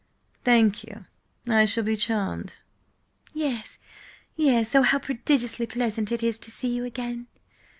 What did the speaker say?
"Thank you. I shall be charmed." "Yes, yes–oh, how prodigiously pleasant it is to see you again!